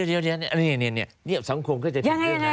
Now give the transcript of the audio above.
เดี๋ยวนี่สังคมก็จะเป็นเรื่องยังไง